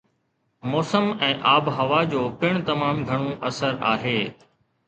موسم ۽ آبهوا جو پڻ تمام گهڻو اثر آهي